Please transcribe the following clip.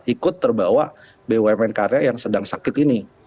ikut terbawa bumn karya yang sedang sakit ini